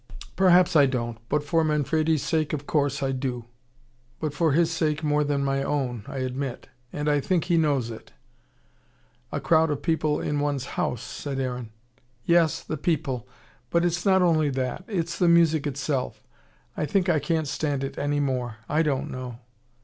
"Perhaps I don't but for Manfredi's sake, of course, I do. But for his sake more than my own, I admit. And I think he knows it." "A crowd of people in one's house " said Aaron. "Yes, the people. But it's not only that. It's the music itself I think I can't stand it any more. I don't know."